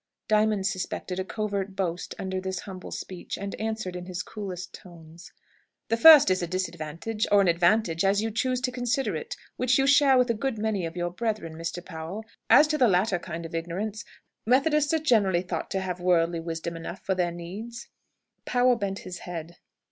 Diamond suspected a covert boast under this humble speech, and answered in his coolest tones, "The first is a disadvantage or an advantage, as you choose to consider it which you share with a good many of your brethren, Mr. Powell. As to the latter kind of ignorance Methodists are generally thought to have worldly wisdom enough for their needs." Powell bent his head.